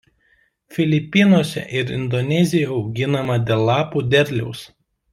Filipinuose ir Indonezijoje auginama dėl lapų derliaus.